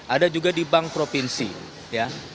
ada juga di bank provinsi ya